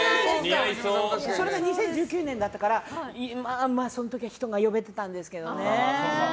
それが２０１９年だったからその時は人が呼べてたんですけどね。